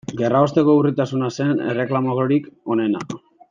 Gerraosteko urritasuna zen erreklamorik onena.